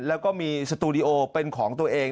แล้วก็มีสตูดิโอเป็นของตัวเอง